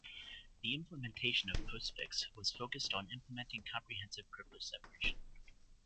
The implementation of Postfix was focused on implementing comprehensive privilege separation.